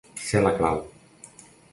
Ser la clau.